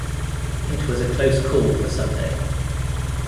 It was a close call for Sunday.